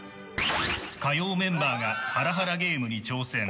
火曜メンバーがハラハラゲームに挑戦。